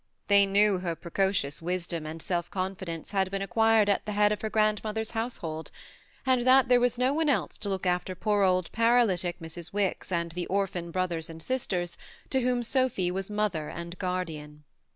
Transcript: They knew her precocious wisdom and self confidence had been acquired at the head of her grand mother's household, and that there was no one else to look after poor old paralytic Mrs. Wicks and the orphan brothers and sisters to whom Sophy was mother and guardian.